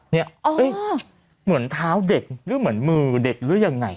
เหมือนเท้าเด็กหรือเหมือนมือเด็กหรือยังไง